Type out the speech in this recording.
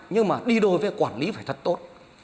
nhưng mà đi đôi với quản lý phải thật tốt